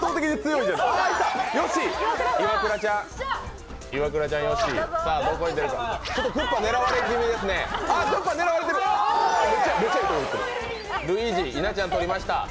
いなちゃん、取りました。